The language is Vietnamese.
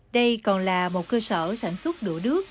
đây còn là một cơ sở sản xuất đũa đứt